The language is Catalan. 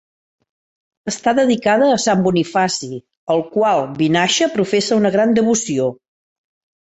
Està dedicada a Sant Bonifaci, al qual Vinaixa professa una gran devoció.